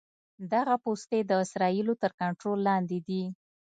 دغه پوستې د اسرائیلو تر کنټرول لاندې دي.